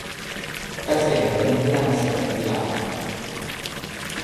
เกษม เพ็ญภินันท์ เสริมทีหลัง